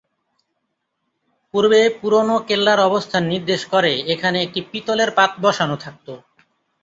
পূর্বে পুরনো কেল্লার অবস্থান নির্দেশ করে এখানে একটি পিতলের পাত বসানো থাকত।